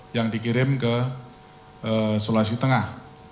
yang dikirim ke sulawesi tengah